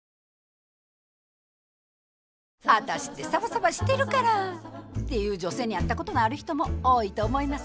「ワタシってサバサバしてるから」って言う女性に会ったことのある人も多いと思います。